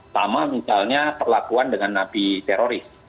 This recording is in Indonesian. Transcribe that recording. sama misalnya perlakuan dengan napi teroris